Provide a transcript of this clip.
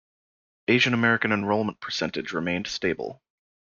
Asian American enrollment percentage remained stable.